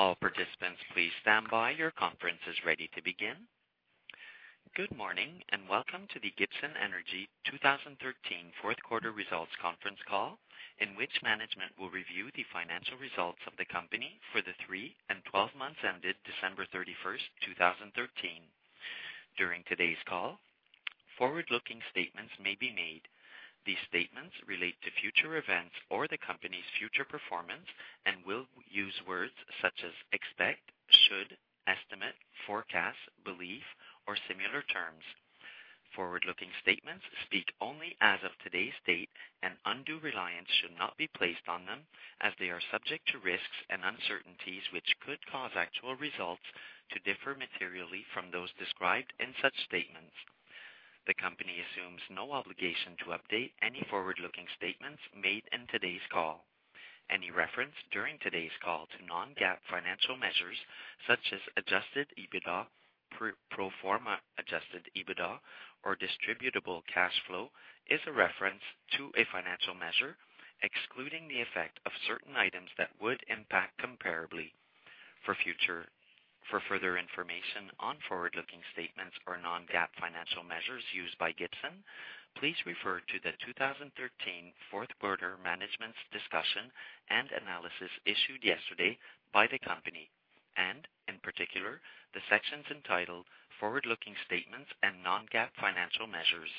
Good morning, and Welcome to the Gibson Energy 2013 Fourth Quarter Results Conference Call, in which management will review the financial results of the company for the three and 12 months ended December 31st, 2013. During today's call, forward-looking statements may be made. These statements relate to future events or the company's future performance and will use words such as expect, should, estimate, forecast, believe, or similar terms. Forward-looking statements speak only as of today's date, and undue reliance should not be placed on them as they are subject to risks and uncertainties which could cause actual results to differ materially from those described in such statements. The company assumes no obligation to update any forward-looking statements made in today's call. Any reference during today's call to non-GAAP financial measures such as adjusted EBITDA, pro forma adjusted EBITDA, or distributable cash flow, is a reference to a financial measure excluding the effect of certain items that would impact comparably. For further information on forward-looking statements or non-GAAP financial measures used by Gibson, please refer to the 2013 fourth quarter management's discussion and analysis issued yesterday by the company. In particular, the sections entitled Forward-Looking Statements and Non-GAAP Financial Measures.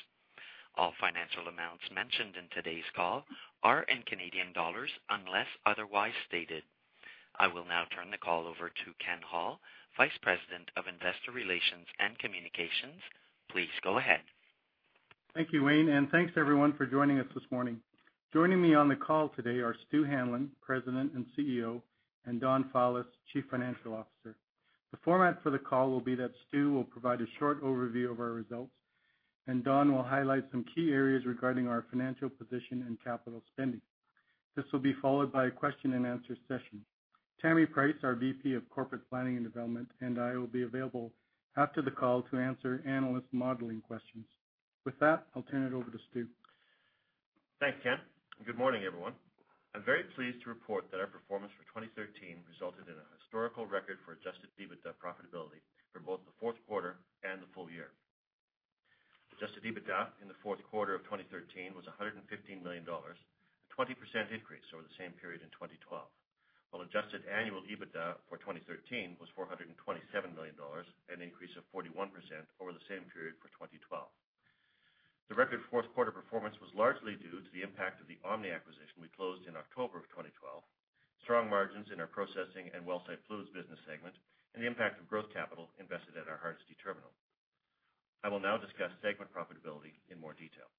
All financial amounts mentioned in today's call are in Canadian dollars unless otherwise stated. I will now turn the call over to Ken Hall, Vice President of Investor Relations and Communications. Please go ahead. Thank you, Wayne, and thanks, everyone, for joining us this morning. Joining me on the call today are Stewart Hanlon, President and CEO, and Donald Fowlis, Chief Financial Officer. The format for the call will be that Stew will provide a short overview of our results, and Don will highlight some key areas regarding our financial position and capital spending. This will be followed by a question and answer session. Tammi Price, our VP of Corporate Planning and Development, and I will be available after the call to answer analyst modeling questions. With that, I'll turn it over to Stew. Thanks, Ken. Good morning, everyone. I'm very pleased to report that our performance for 2013 resulted in a historical record for adjusted EBITDA profitability for both the fourth quarter and the full year. Adjusted EBITDA in the fourth quarter of 2013 was 115 million dollars, a 20% increase over the same period in 2012. While adjusted annual EBITDA for 2013 was 427 million dollars, an increase of 41% over the same period for 2012. The record fourth quarter performance was largely due to the impact of the OMNI acquisition we closed in October of 2012, strong margins in our Processing and Wellsite Fluids business segment, and the impact of growth capital invested at our Hardisty terminal. I will now discuss segment profitability in more detail.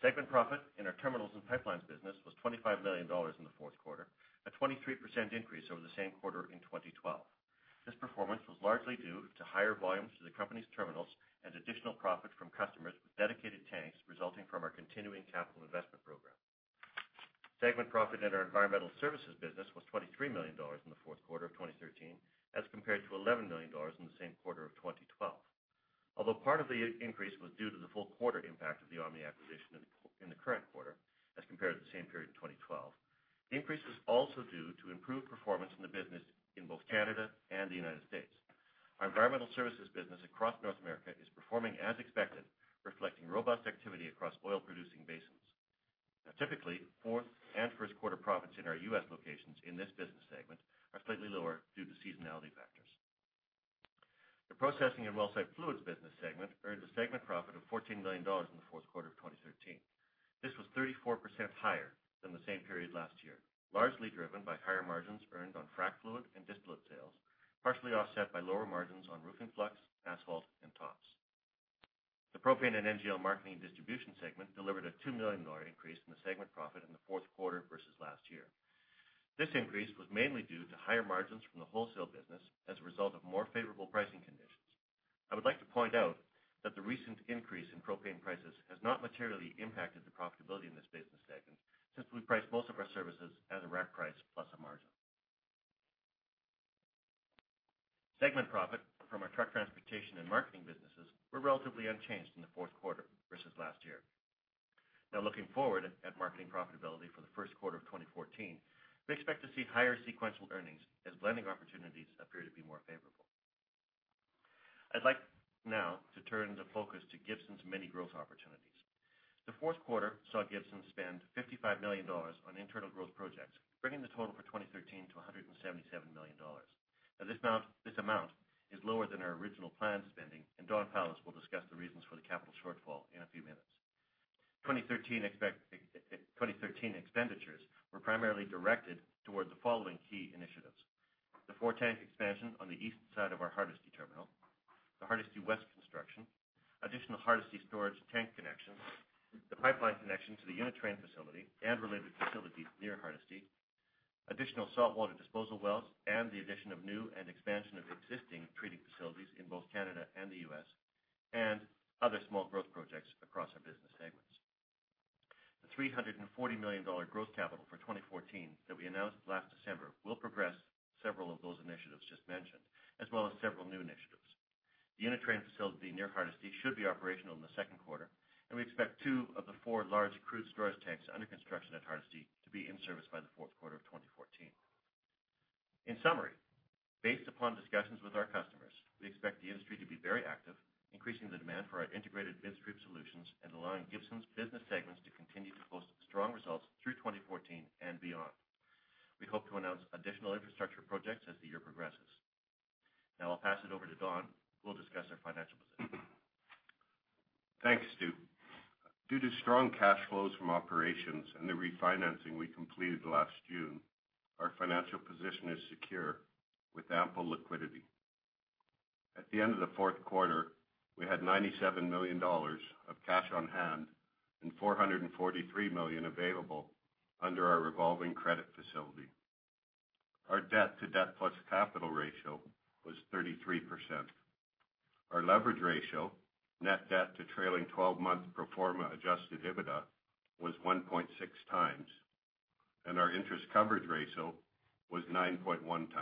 Segment profit in our Terminals and Pipelines business was 25 million dollars in the fourth quarter, a 23% increase over the same quarter in 2012. This performance was largely due to higher volumes through the company's terminals and additional profit from customers with dedicated tanks resulting from our continuing capital investment program. Segment profit in our Environmental Services business was 23 million dollars in the fourth quarter of 2013 as compared to 11 million dollars in the same quarter of 2012. Although part of the increase was due to the full quarter impact of the OMNI acquisition in the current quarter as compared to the same period in 2012, the increase was also due to improved performance in the business in both Canada and the United States. Our Environmental Services business across North America is performing as expected, reflecting robust activity across oil-producing basins. Now, typically, fourth and first quarter profits in our U.S. locations in this business segment are slightly lower due to seasonality factors. The Processing and Wellsite Fluids business segment earned a segment profit of 14 million dollars in the fourth quarter of 2013. This was 34% higher than the same period last year, largely driven by higher margins earned on frac fluid and distillate sales, partially offset by lower margins on roofing flux, asphalt, and tops. The Propane and NGL Marketing and Distribution segment delivered a 2 million increase in the segment profit in the fourth quarter versus last year. This increase was mainly due to higher margins from the wholesale business as a result of more favorable pricing conditions. I would like to point out that the recent increase in propane prices has not materially impacted the profitability in this business segment, since we price most of our services at a rack price plus a margin. Segment profit from our Truck Transportation and Marketing businesses were relatively unchanged in the fourth quarter versus last year. Now, looking forward at marketing profitability for the first quarter of 2014, we expect to see higher sequential earnings as blending opportunities appear to be more favorable. I'd like now to turn the focus to Gibson's many growth opportunities. The fourth quarter saw Gibson spend 55 million dollars on internal growth projects, bringing the total for 2013 to 177 million dollars. Now, this amount is lower than our original planned spending, and Donald Fowlis will discuss the reasons for the capital shortfall in a few minutes. 2013 expenditures were primarily directed towards the following key initiatives. The four-tank expansion on the east side of our Hardisty terminal, the Hardisty West construction, additional Hardisty storage tank connections, the pipeline connection to the unit train facility and related facilities near Hardisty, additional saltwater disposal wells and the addition of new and expansion of existing treating facilities in both Canada and the U.S., and other small growth projects across our business segments. The 340 million dollar growth capital for 2014 that we announced last December will progress several of those initiatives just mentioned, as well as several new initiatives. The unit train facility near Hardisty should be operational in the second quarter, and we expect two of the four large crude storage tanks under construction at Hardisty to be in service by the fourth quarter of 2014. In summary, based upon discussions with our customers, we expect the industry to be very active, increasing the demand for our integrated midstream solutions and allowing Gibson's business segments to continue to post strong results through 2014 and beyond. We hope to announce additional infrastructure projects as the year progresses. Now I'll pass it over to Don, who will discuss our financial position. Thanks, Stew. Due to strong cash flows from operations and the refinancing we completed last June, our financial position is secure with ample liquidity. At the end of the fourth quarter, we had 97 million dollars of cash on hand and 443 million available under our revolving credit facility. Our debt to debt plus capital ratio was 33%. Our leverage ratio, net debt to trailing 12 month pro forma adjusted EBITDA, was 1.6x, and our interest coverage ratio was 9.1x.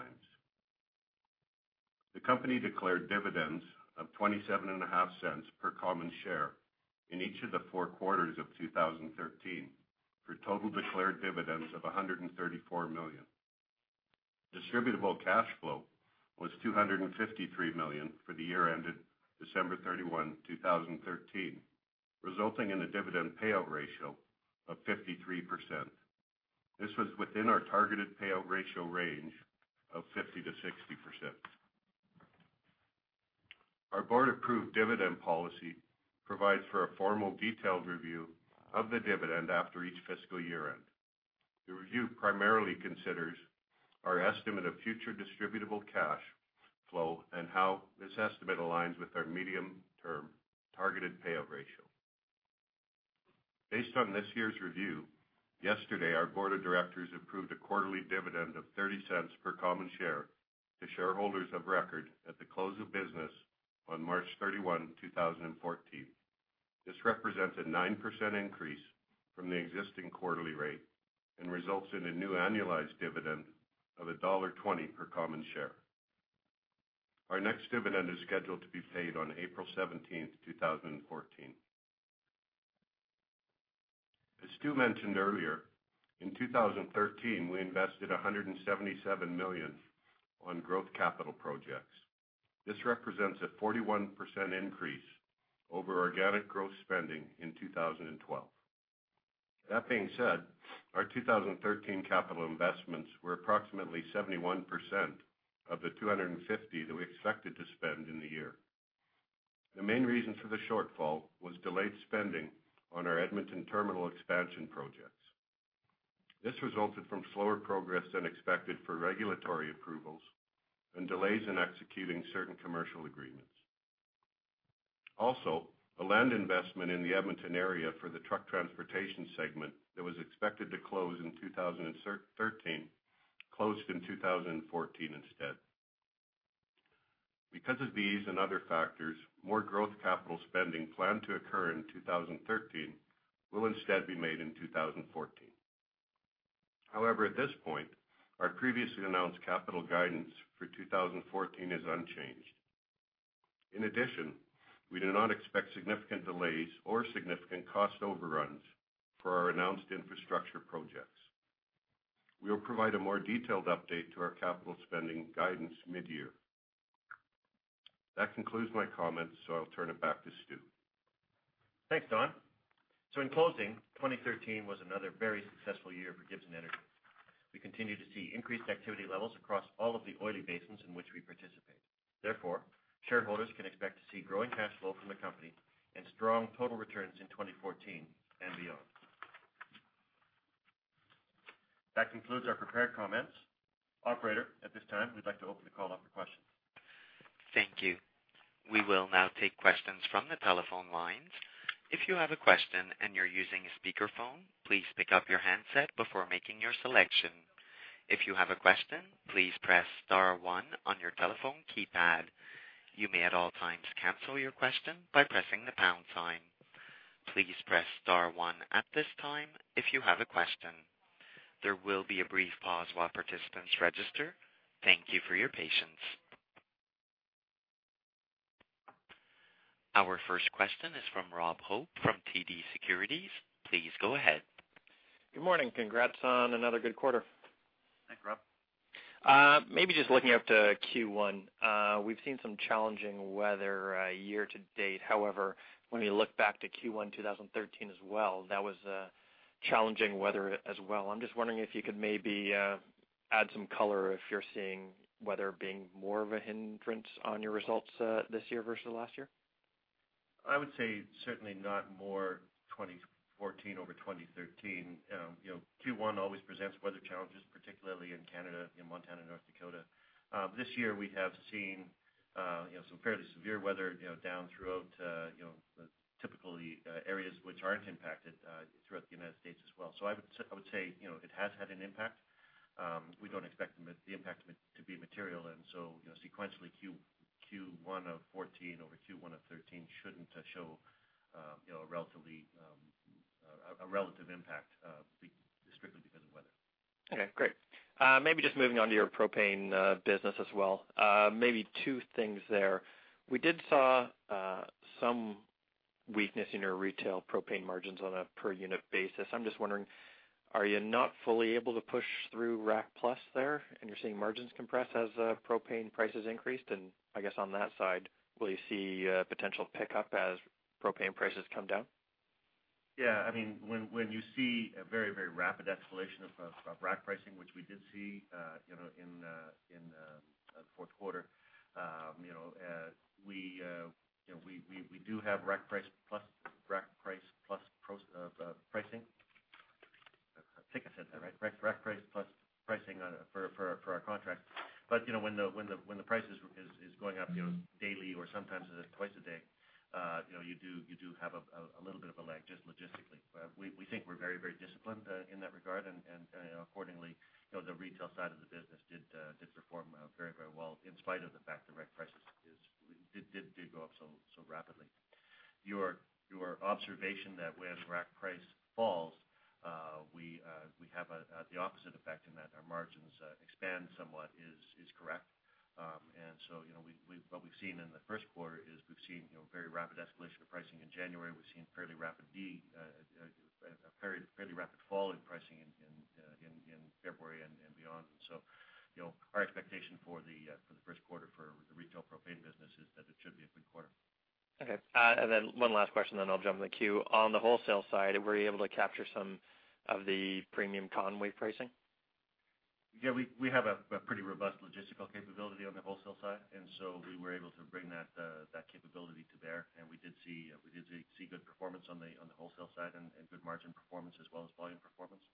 The company declared dividends of 0.275 per common share in each of the four quarters of 2013, for a total declared dividends of 134 million. Distributable cash flow was 253 million for the year ended December 31, 2013, resulting in a dividend payout ratio of 53%. This was within our targeted payout ratio range of 50%-60%. Our board-approved dividend policy provides for a formal detailed review of the dividend after each fiscal year-end. The review primarily considers our estimate of future distributable cash flow and how this estimate aligns with our medium-term targeted payout ratio. Based on this year's review, yesterday, our board of directors approved a quarterly dividend of 0.30 per common share to shareholders of record at the close of business on March 31, 2014. This represents a 9% increase from the existing quarterly rate and results in a new annualized dividend of dollar 1.20 per common share. Our next dividend is scheduled to be paid on April 17th, 2014. As Stew mentioned earlier, in 2013, we invested 177 million on growth capital projects. This represents a 41% increase over organic growth spending in 2012. That being said, our 2013 capital investments were approximately 71% of the 250 million that we expected to spend in the year. The main reason for the shortfall was delayed spending on our Edmonton terminal expansion projects. This resulted from slower progress than expected for regulatory approvals and delays in executing certain commercial agreements. A land investment in the Edmonton area for the Truck Transportation segment that was expected to close in 2013 closed in 2014 instead. Because of these and other factors, more growth capital spending planned to occur in 2013 will instead be made in 2014. However, at this point, our previously announced capital guidance for 2014 is unchanged. In addition, we do not expect significant delays or significant cost overruns for our announced infrastructure projects. We'll provide a more detailed update to our capital spending guidance mid-year. That concludes my comments, so I'll turn it back to Stew. Thanks, Don. In closing, 2013 was another very successful year for Gibson Energy. We continue to see increased activity levels across all of the oily basins in which we participate. Therefore, shareholders can expect to see growing cash flow from the company and strong total returns in 2014 and beyond. That concludes our prepared comments. Operator, at this time, we'd like to open the call up for questions. Thank you. We will now take questions from the telephone lines. If you have a question and you're using a speakerphone, please pick up your handset before making your selection. If you have a question, please press star one on your telephone keypad. You may, at all times, cancel your question by pressing the pound sign. Please press star one at this time if you have a question. There will be a brief pause while participants register. Thank you for your patience. Our first question is from Rob Hope from TD Securities. Please go ahead. Good morning. Congrats on another good quarter. Thanks, Rob. Maybe just looking out to Q1, we've seen some challenging weather year to date. However, when we look back to Q1 2013 as well, that was challenging weather as well. I'm just wondering if you could maybe add some color if you're seeing weather being more of a hindrance on your results this year versus last year? I would say certainly not more 2014 over 2013. Q1 always presents weather challenges, particularly in Canada, in Montana, North Dakota. This year we have seen some fairly severe weather down throughout the typical areas which aren't impacted throughout the United States as well. I would say, it has had an impact. We don't expect the impact to be material. Sequentially Q1 of 2014 over Q1 of 2013 shouldn't show a relative impact strictly because of weather. Okay, great. Maybe just moving on to your propane business as well. Maybe two things there. We did see some weakness in your retail propane margins on a per unit basis. I'm just wondering, are you not fully able to push through rack plus there and you're seeing margins compress as propane prices increased? And I guess on that side, will you see a potential pickup as propane prices come down? Yeah. When you see a very rapid escalation of rack pricing, which we did see in the fourth quarter, we do have rack price plus pricing. I think I said that, right? Rack price plus pricing for our contract. When the price is going up daily or sometimes twice a day, you do have a little bit of a lag just logistically. We think we're very disciplined in that regard. The retail side of the business did perform very well in spite of the fact the rack prices did go up so rapidly. Your observation that when rack price falls, we have the opposite effect in that our margins expand somewhat is correct. What we've seen in the first quarter is we've seen very rapid escalation of pricing in January. We've seen a fairly rapid fall in pricing in February and beyond. Our expectation for the first quarter for the retail propane business is that it should be a good quarter. Okay. One last question, then I'll jump in the queue. On the wholesale side, were you able to capture some of the premium Conway pricing? Yeah, we have a pretty robust logistical capability on the wholesale side, and so we were able to bring that capability there. We did see good performance on the wholesale side and good margin performance as well as volume performance.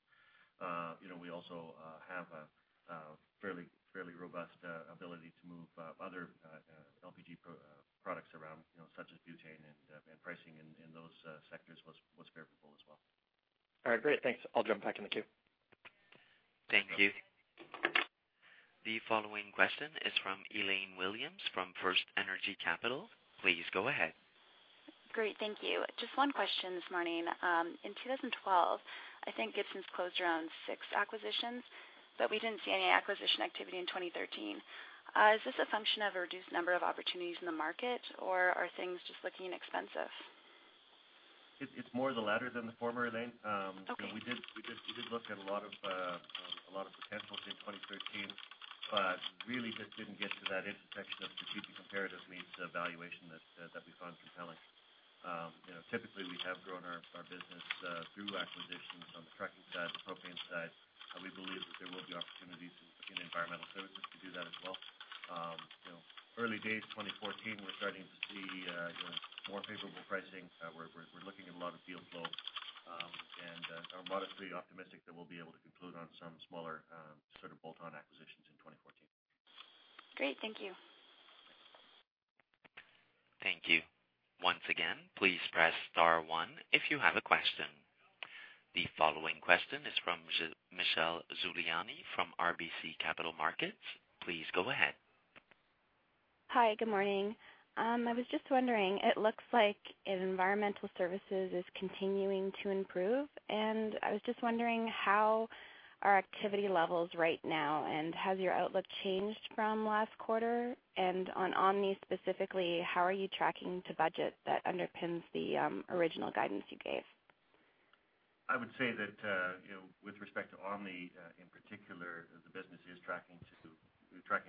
We also have a fairly robust ability to move other LPG products around, such as butane, and pricing in those sectors was favorable as well. All right, great. Thanks. I'll jump back in the queue. Thank you. The following question is from Elaine Williams from FirstEnergy Capital. Please go ahead. Great. Thank you. Just one question this morning. In 2012, I think Gibson's closed around six acquisitions, but we didn't see any acquisition activity in 2013. Is this a function of a reduced number of opportunities in the market, or are things just looking expensive? It's more the latter than the former, Elaine. Okay. We did look at a lot of potentials in 2013, but really just didn't get to that intersection of due diligence comparative meets the valuation that we found compelling. Typically, we have grown our business through acquisitions on the trucking side, the propane side. We believe that there will be opportunities in Environmental Services to do that as well. Early days, 2014, we're starting to see more favorable pricing. We're looking at a lot of deal flow, and are modestly optimistic that we'll be able to conclude on some smaller sort of bolt-on acquisitions in 2014. Great. Thank you. Thank you. Once again, please press star one if you have a question. The following question is from Michelle Zuliani from RBC Capital Markets. Please go ahead. Hi, good morning. I was just wondering, it looks like Environmental Services is continuing to improve, and I was just wondering how are activity levels right now, and has your outlook changed from last quarter? On Omni specifically, how are you tracking to budget that underpins the original guidance you gave? I would say that with respect to Omni, in particular, the business is tracking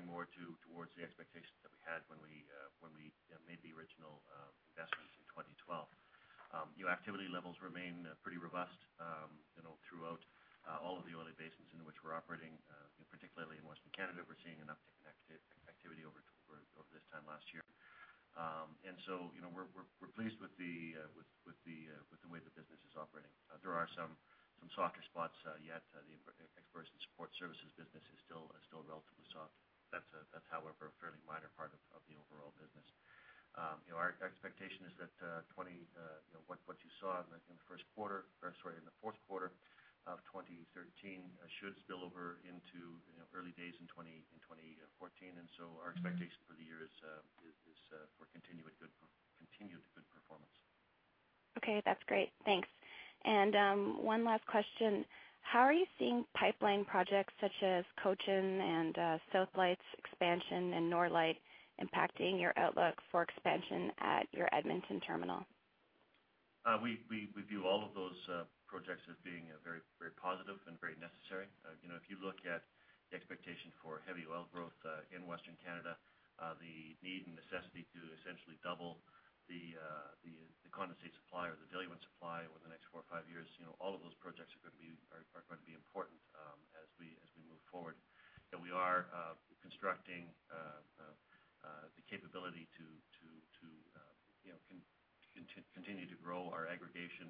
more towards the expectations that we had when we made the original investments in 2012. Activity levels remain pretty robust throughout all of the oil basins in which we're operating. Particularly in Western Canada, we're seeing an uptick in activity over this time last year. We're pleased with the way the business is operating. There are some softer spots yet. The exports and support services business is still relatively soft. That's, however, a fairly minor part of the overall business. Our expectation is that what you saw in the first quarter, or sorry, in the fourth quarter of 2013, should spill over into early days in 2014. Our expectation for the year is for continued good performance. Okay, that's great. Thanks. One last question. How are you seeing pipeline projects such as Cochin and Southern Lights expansion and Norlite impacting your outlook for expansion at your Edmonton terminal? We view all of those projects as being very positive and very necessary. If you look at the expectation for heavy oil growth in Western Canada, the need and necessity to essentially double the condensate supply or the diluent supply over the next four or five years, all of those projects are going to be important as we move forward. We are constructing the capability to continue to grow our aggregation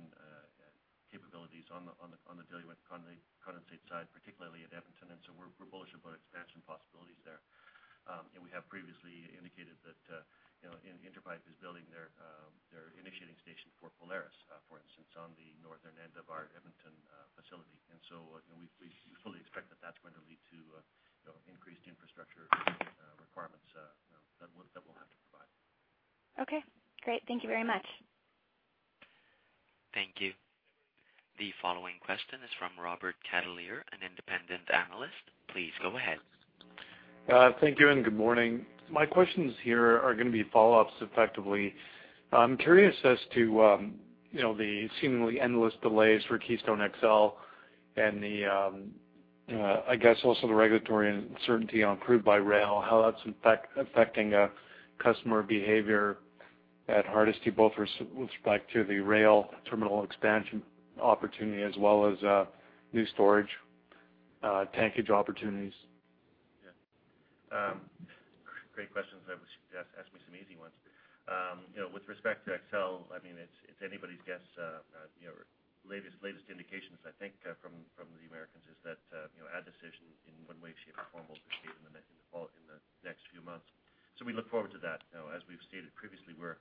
capabilities on the diluent condensate side, particularly at Edmonton. We're bullish about expansion possibilities there. We have previously indicated that Inter Pipeline is building their initiating station for Polaris, for instance, on the northern end of our Edmonton facility. We fully expect that that's going to lead to increased infrastructure requirements that we'll have to provide. Okay, great. Thank you very much. Thank you. The following question is from Robert Catellier, an independent analyst. Please go ahead. Thank you and good morning. My questions here are going to be follow-ups effectively. I'm curious as to the seemingly endless delays for Keystone XL and, I guess also the regulatory uncertainty on crude by rail, how that's affecting customer behavior at Hardisty, both with respect to the rail terminal expansion opportunity as well as new storage tankage opportunities? Yeah. Great questions. I wish you'd asked me some easy ones. With respect to XL, it's anybody's guess. Latest indications, I think, from the Americans is that a decision in one way, shape, or form will be stated in the next few months. We look forward to that. As we've stated previously, we're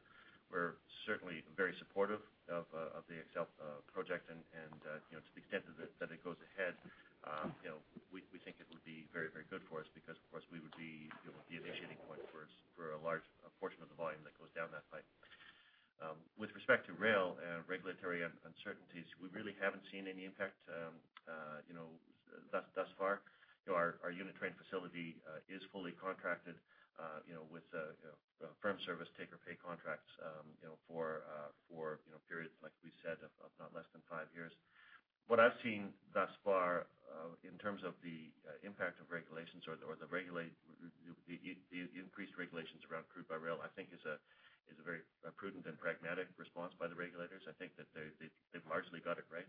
certainly very supportive of the XL project, and to the extent that it goes ahead, we think it would be very good for us because, of course, we would be the initiating point for a large portion of the volume that goes down that pipe. With respect to rail and regulatory uncertainties, we really haven't seen any impact thus far. Our unit train facility is fully contracted with firm service take-or-pay contracts for periods, like we said, of not less than five years. What I've seen thus far in terms of the impact of regulations or the increased regulations around crude by rail, I think is a very prudent and pragmatic response by the regulators. I think that they've largely got it right.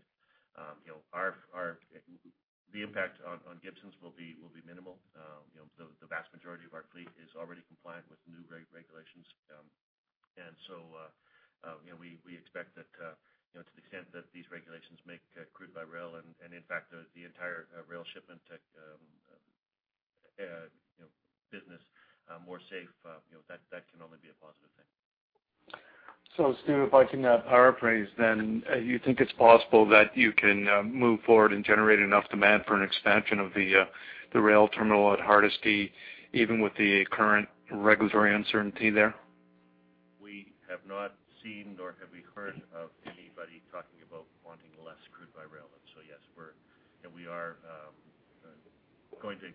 The impact on Gibson Energy's will be minimal. The vast majority of our fleet is already compliant with new regulations. We expect that to the extent that these regulations make crude by rail and, in fact, the entire rail shipment business more safe, that can only be a positive thing. Stewart, if I can paraphrase then, you think it's possible that you can move forward and generate enough demand for an expansion of the rail terminal at Hardisty, even with the current regulatory uncertainty there? We have not seen nor have we heard of anybody talking about wanting less crude by rail. Yes, we are going to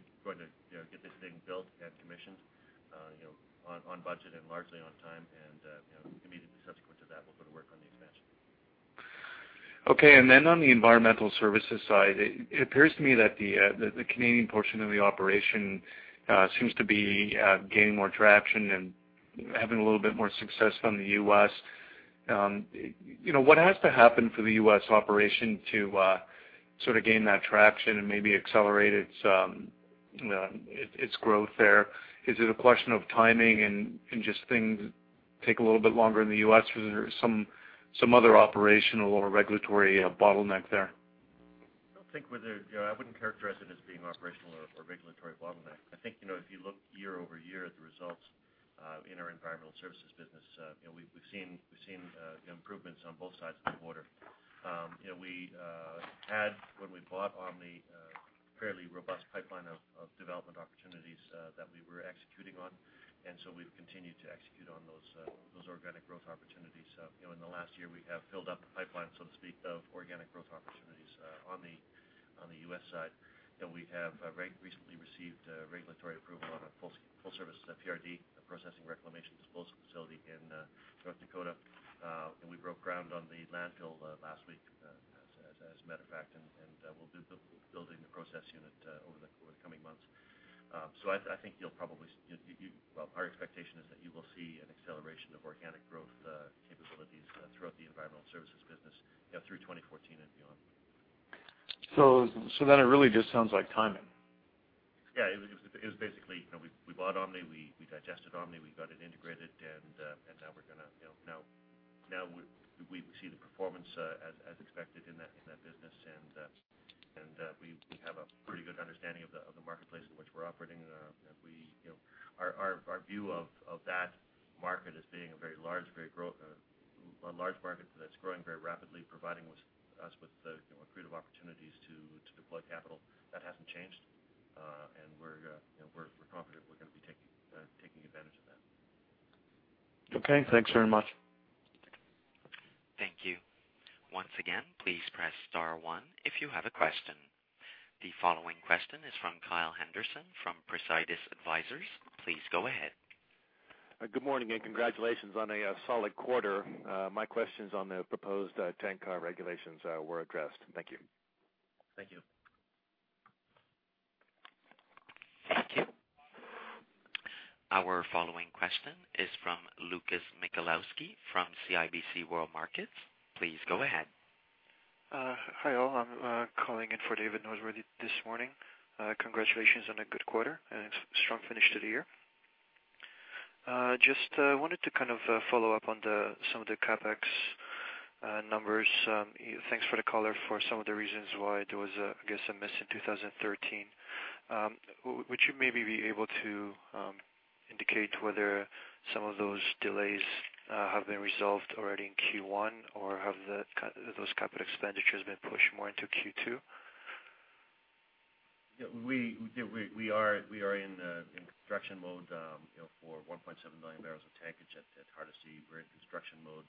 get this thing built and commissioned on budget and largely on time. Immediately subsequent to that, we'll go to work on the expansion. Okay. On the Environmental Services side, it appears to me that the [Canadian] portion of the operation seems to be gaining more traction and having a little bit more success than the U.S. What has to happen for the U.S. operation to sort of gain that traction and maybe accelerate its growth there? Is it a question of timing and just things take a little bit longer in the U.S. or is there some other operational or regulatory bottleneck there? I wouldn't characterize it as being operational or regulatory bottleneck. I think, if you look year over year at the results in our Environmental Services business, we've seen improvements on both sides of the border. We had, when we bought Omni, a fairly robust pipeline of development opportunities that we were executing on. We've continued to execute on those organic growth opportunities. In the last year, we have filled up the pipeline, so to speak, of organic growth opportunities on the U.S. side. We have very recently received regulatory approval on a full-service PRD, a processing reclamation disposal facility in North Dakota. We broke ground on the landfill last week, as a matter of fact, and we'll be building the process unit over the coming months. I think our expectation is that you will see an acceleration of organic growth capabilities throughout the Environmental Services business through 2014 and beyond. It really just sounds like timing? Yeah. It was basically, we bought Omni, we digested Omni, we got it integrated, and now we see the performance as expected in that business. We have a pretty good understanding of the marketplace in which we're operating. Our view of that market as being a very large market that's growing very rapidly, providing us with accretive opportunities to deploy capital, that hasn't changed. We're confident we're going to be taking advantage of that. Okay, thanks very much. Thank you. Once again, please press star one if you have a question. The following question is from Kyle Henderson from Praesidis Advisors. Please go ahead. Good morning, and congratulations on a solid quarter. My questions on the proposed tank car regulations were addressed. Thank you. Thank you. Thank you. Our following question is from Lukasz Michalowski from CIBC World Markets. Please go ahead. Hi, all. I'm calling in for David Norsworthy this morning. Congratulations on a good quarter and a strong finish to the year. Just wanted to kind of follow up on some of the CapEx numbers. Thanks for the color for some of the reasons why there was, I guess, a miss in 2013. Would you maybe be able to indicate whether some of those delays have been resolved already in Q1 or have those capital expenditures been pushed more into Q2? Yeah, we are in construction mode for 1.7 million barrels of tankage at Hardisty. We're in construction mode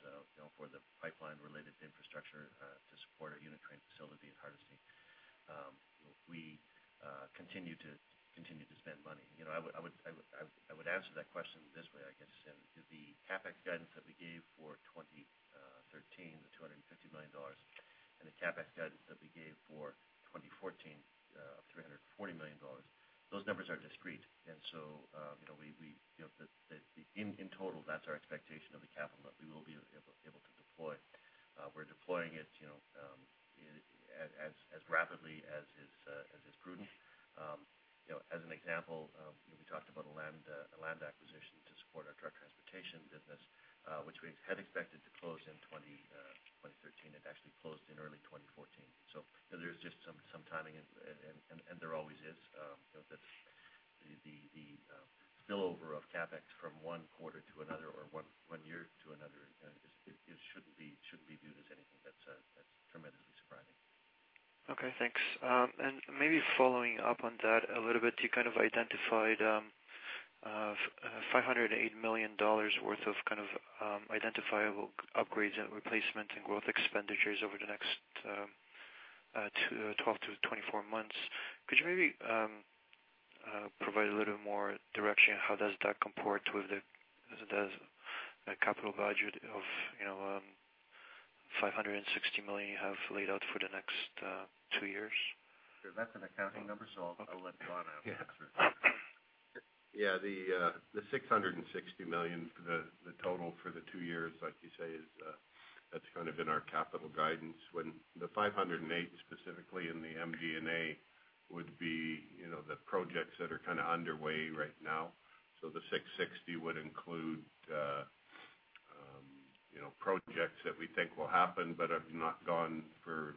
for the pipeline-related infrastructure to support our unit train facility at Hardisty. We continue to spend money. I would answer that question this way, I guess, and, the CapEx guidance that we gave for 2013, the 250 million dollars, and the CapEx guidance that we gave for 2014, 340 million dollars, those numbers are discrete. In total, that's our expectation of the capital that we will be able to deploy. We're deploying it as rapidly as is prudent. As an example, we talked about a land acquisition to support our truck transportation business, which we had expected to close in 2013. It actually closed in early 2014. There's just some timing, and there always is. The spillover of CapEx from one quarter to another or one year to another shouldn't be viewed as anything that's tremendously surprising. Okay, thanks. Maybe following up on that a little bit, you identified 508 million dollars worth of identifiable upgrades and replacement and growth expenditures over the next 12 to 24 months. Could you maybe provide a little more direction on how does that comport with the capital budget of 560 million you have laid out for the next two years? Sure. That's an accounting number, so I'll let Don answer. Yeah. 660 million, the total for the two years, like you say, that's been our capital guidance. When the 508 million specifically in the MD&A would be the projects that are underway right now. The 660 million would include projects that we think will happen but have not gone for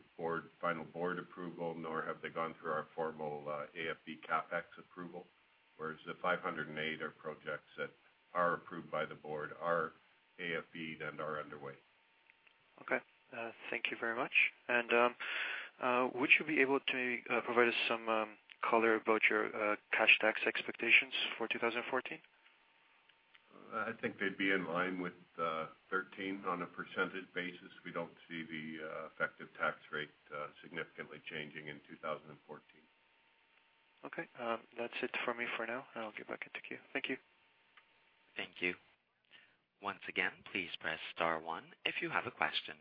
final board approval, nor have they gone through our formal AFE CapEx approval. Whereas the 508 million are projects that are approved by the board, are AFE'd, and are underway. Okay. Thank you very much. Would you be able to provide us some color about your cash tax expectations for 2014? I think they'd be in line with 2013 on a percentage basis. We don't see the effective tax rate significantly changing in 2014. Okay. That's it for me for now. I'll get back in the queue. Thank you. Thank you. Once again, please press star one if you have a question.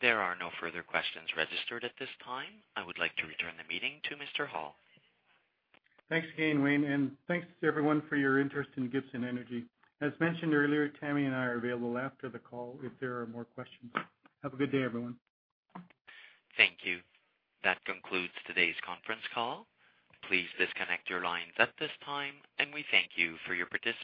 There are no further questions registered at this time. I would like to return the meeting to Mr. Hall. Thanks again, Wayne, and thanks everyone for your interest in Gibson Energy. As mentioned earlier, Tammi and I are available after the call if there are more questions. Have a good day, everyone. Thank you. That concludes today's conference call. Please disconnect your lines at this time, and we thank you for your participation.